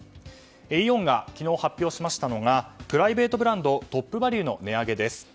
イオンが昨日発表しましたのがプライベートブランドトップバリュの値上げです。